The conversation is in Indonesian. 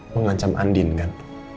mengancam andien kan